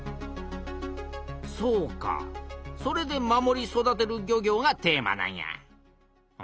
そうかそれで「守り育てる漁業」がテーマなんや。